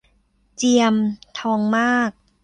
เจียม ทองมาก